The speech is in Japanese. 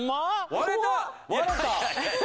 割れた！